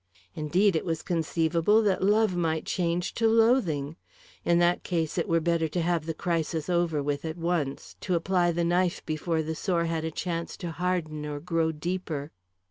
Indeed, it was conceivable that love might change to loathing. In that case, it were better to have the crisis over with at once; to apply the knife before the sore had a chance to harden or grow deeper.